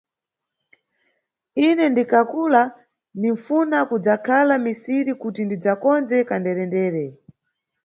Ine ningakula ninʼfuna kudzakhala misiri kuti ndidzakondze kanderendere.